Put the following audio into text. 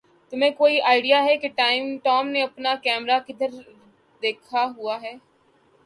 تمھیں کوئی آئڈیا ہے کہ ٹام نے اپنا کیمرہ کدھر دکھا ہوا ہے؟